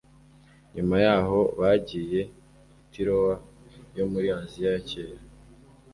nyuma y aho bagiye i tirowa yomuri asiya yakera